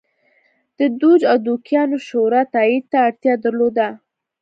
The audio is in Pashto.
د دوج او دوکیانو شورا تایید ته اړتیا درلوده.